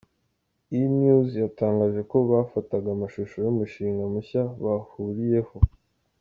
E! News yatangaje ko ‘bafataga amashusho y’umushinga mushya bahuriyeho’.